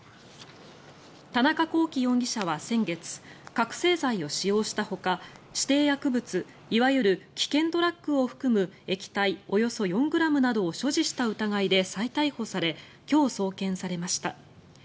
田中聖容疑者は先月覚醒剤を使用したほか指定薬物いわゆる危険ドラッグを含む液体およそ４ｇなどを所持した疑いで再逮捕され今日、送検されました。